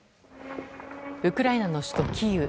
ウクライナの首都キーウ。